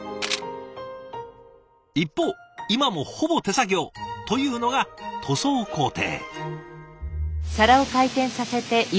一方今もほぼ手作業というのが塗装工程。